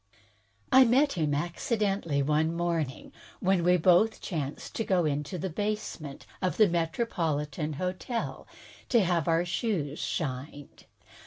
I met him, accidentally one morning, when we both chanced to go into a basement of the MetropoUs Hotel to have our shoes shined.